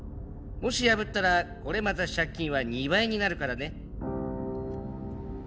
もし破ったらこれまた借金は２倍になるからね。